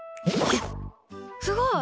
すごい！